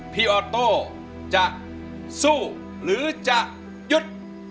ออโต้จะสู้หรือจะหยุด